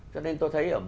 cho nên tôi thấy